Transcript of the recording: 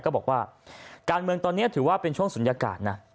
ก็บอกว่าการเมืองตอนนี้ถือว่าเป็นช่วงศูนยากาศนะ